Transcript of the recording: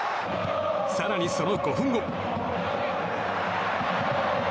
更に、その５分後。